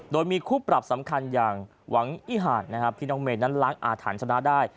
โดยมีคู่ปรับสำคัญอย่างหวังอิหารนะครับที่น้องเมย์นั้นล้างอาถรรพ์ชนะได้